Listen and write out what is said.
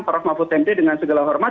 pak raghma putente dengan segala hormat